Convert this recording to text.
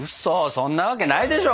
そんなわけないでしょ！